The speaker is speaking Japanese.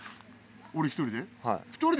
俺１人で？